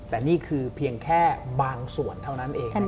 แต่นี่คือเพียงแค่บางส่วนเท่านั้นเอง